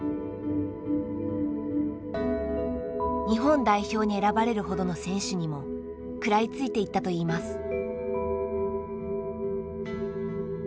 日本代表に選ばれるほどの選手にも食らいついていったといいます。